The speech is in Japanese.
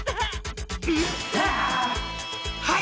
はい！